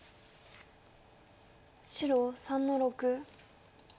白３の六。